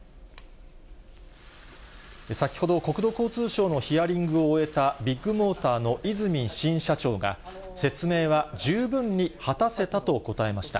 先ほど国土交通省のヒアリングを終えたビッグモーターの和泉新社長が、説明は十分に果たせたと答えました。